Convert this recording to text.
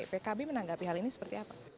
pkb menanggapi hal ini seperti apa